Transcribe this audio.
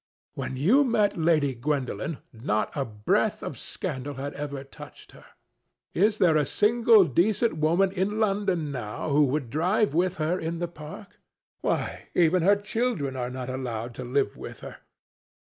When you met Lady Gwendolen, not a breath of scandal had ever touched her. Is there a single decent woman in London now who would drive with her in the park? Why, even her children are not allowed to live with her.